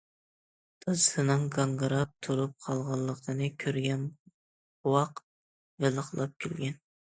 دادىسىنىڭ گاڭگىراپ تۇرۇپ قالغانلىقىنى كۆرگەن بوۋاق ۋىلىقلاپ كۈلگەن.